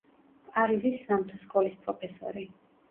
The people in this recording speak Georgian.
პარიზის სამთო სკოლის პროფესორი.